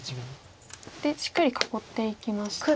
でしっかり囲っていきました。